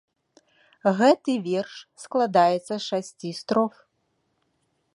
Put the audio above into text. Гэта верш складаецца з шасці строф.